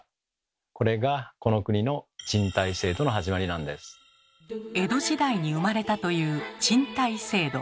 これがこの国の江戸時代に生まれたという「賃貸制度」。